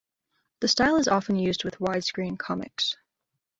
The style is often used with widescreen comics.